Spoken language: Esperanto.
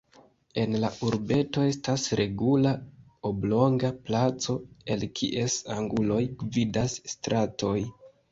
En la urbeto estas regula oblonga placo, el kies anguloj gvidas stratoj.